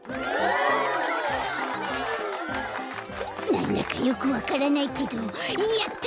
なんだかよくわからないけどやった！